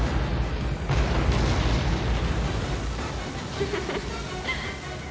フフフッ。